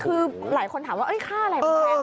คือหลายคนถามว่าค่าอะไรบ้าง